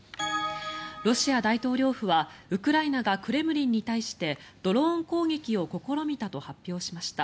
ロシア大統領府はウクライナがクレムリンに対してドローン攻撃を試みたと発表しました。